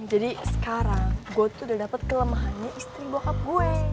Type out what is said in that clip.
jadi sekarang gue tuh udah dapet kelemahannya istri bokap gue